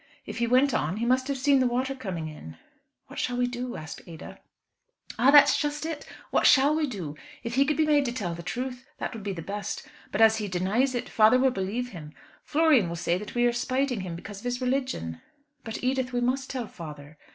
If he went on he must have seen the water coming in." "What shall we do?" asked Ada. "Ah! that's just it. What shall we do? If he could be made to tell the truth, that would be best. But as he denies it, father will believe him. Florian will say that we are spiting him because of his religion." "But, Edith, we must tell father."